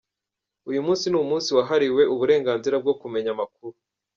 Uyu munsi ni umunsi wahariwe uburenganzira bwo kumenya amakuru.